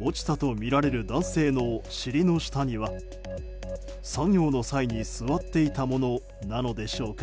落ちたとみられる男性の尻の下には作業の際に座っていたものなのでしょうか